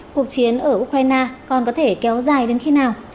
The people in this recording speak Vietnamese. cuộc chiến ở ukraine còn có thể kéo dài đến khi nào